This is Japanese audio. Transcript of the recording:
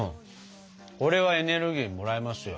これはエネルギーもらえますよ。